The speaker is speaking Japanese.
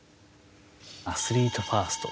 アスリートファースト。